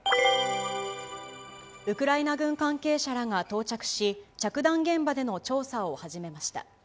ウクライナ軍関係者らが到着し、着弾現場での調査を始めました。